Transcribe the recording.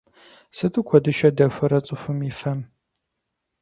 Сыту куэдыщэ дэхуэрэ цӏыхум и фэм…